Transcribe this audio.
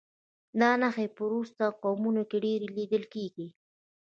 دا نښې په راوروسته قومونو کې ډېرې لیدل کېږي.